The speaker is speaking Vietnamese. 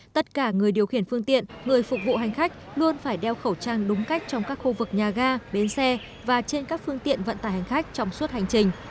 tất cả người điều khiển phương tiện người phục vụ hành khách luôn phải đeo khẩu trang đúng cách trong các khu vực nhà ga bến xe và trên các phương tiện vận tải hành khách trong suốt hành trình